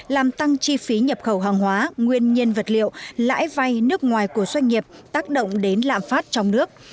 làm tăng chi phí nhập khẩu hàng hóa nguyên nhân vật liệu lãi vay nước ngoài của doanh nghiệp tác động đến lạm phát trong nước